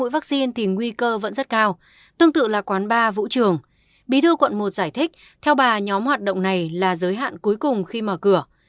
bị thư quận một giải thích theo bà nhóm hoạt động này là giới hạn cuối cùng khi mở cửa